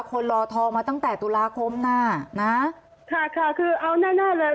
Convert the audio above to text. คนรอทองมาตั้งแต่ตุลาคมหน้านะค่ะค่ะคือเอาแน่แน่เลย